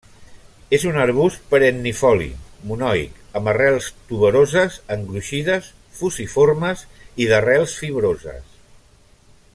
És un arbust perennifoli, monoic, amb arrels tuberoses engruixides, fusiformes i d'arrels fibroses.